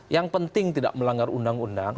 yang penting tidak melanggar undang undang